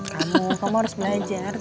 kamu kamu harus belajar